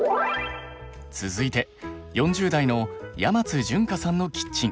続いて４０代の山津潤香さんのキッチン。